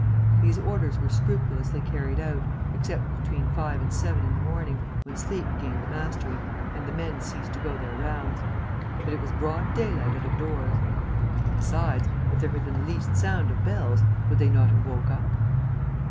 These orders were scrupulously carried out, except between five and seven in the morning, when sleep gained the mastery and the men ceased to go their rounds. But it was broad daylight out of doors. Besides, if there had been the least sound of bells, would they not have woke up?